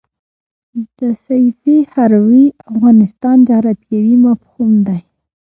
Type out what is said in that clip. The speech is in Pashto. د سیفي هروي افغانستان جغرافیاوي مفهوم دی.